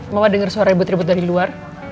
mau denger suara ribut ribut dari luar